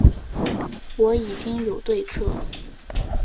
我已经有对策